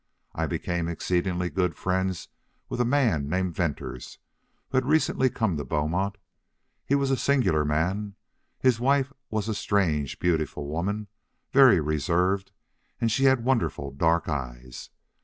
I became exceedingly good friends with a man named Venters, who had recently come to Beaumont. He was a singular man. His wife was a strange, beautiful woman, very reserved, and she had wonderful dark eyes.